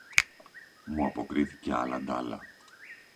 Μου αποκρίθηκε άλλα αντ' άλλα